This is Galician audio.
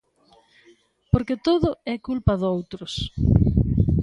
Porque todo é culpa doutros.